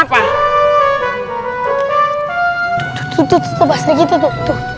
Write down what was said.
tut tut tut tuh pak sri kiti tuh